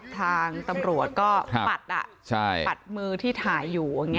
ทางตำรวจก็ปัดมือที่ถ่ายอยู่